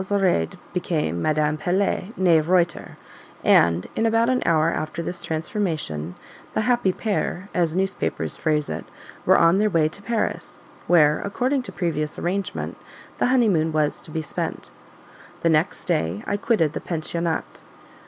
Zoraide became Madame Pelet, NEE Reuter; and, in about an hour after this transformation, "the happy pair," as newspapers phrase it, were on their way to Paris; where, according to previous arrangement, the honeymoon was to be spent. The next day I quitted the pensionnat.